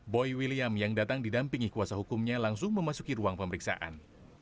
boy william yang datang didampingi kuasa hukumnya langsung memasuki ruang pemeriksaan